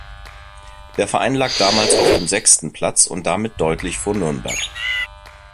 Der Verein lag damals auf dem sechsten Platz und damit deutlich vor Nürnberg.